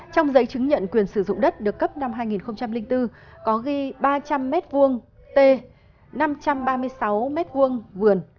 trong giấy chứng nhận quyền sử dụng đất được cấp năm hai nghìn bốn có ghi ba trăm linh m hai t năm trăm ba mươi sáu m hai vườn